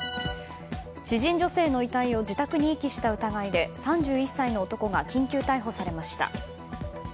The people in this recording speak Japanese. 知人女性の遺体を自宅に遺棄した疑いで３１歳の男が緊急逮捕されました。